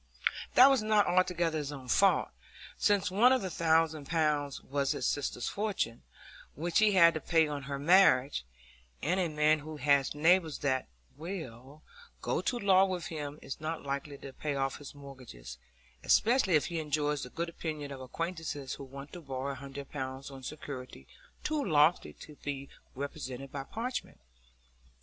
That was not altogether his own fault, since one of the thousand pounds was his sister's fortune, which he had to pay on her marriage; and a man who has neighbours that will go to law with him is not likely to pay off his mortgages, especially if he enjoys the good opinion of acquaintances who want to borrow a hundred pounds on security too lofty to be represented by parchment.